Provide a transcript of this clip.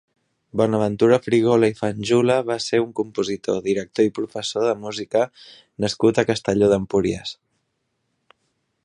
Bonaventura Frigola i Fanjula va ser un compositor, director i professor de música nascut a Castelló d'Empúries.